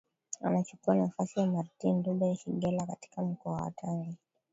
Anachukua nafasi ya Martin Reuben Shigella katika mkoa wa Tanga